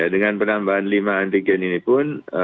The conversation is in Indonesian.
dengan penambahan lima antigen ini pun